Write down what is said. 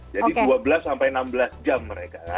dua belas sampai enam belas jam mereka